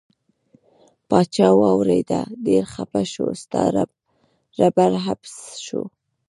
پاچا واوریده ډیر خپه شو ستا ربړ عبث شو.